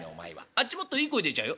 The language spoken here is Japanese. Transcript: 「あっちもっといい声出ちゃうよ。